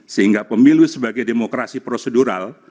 sehingga pemilu sebagai demokrasi prosedural